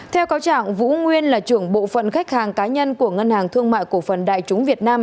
theo cáo trạng vũ nguyên là trưởng bộ phận khách hàng cá nhân của ngân hàng thương mại cổ phần đại chúng việt nam